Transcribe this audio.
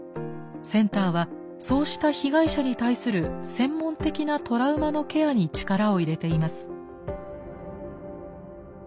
センターはそうした被害者に対する専門的なトラウマのケアに力を入れています。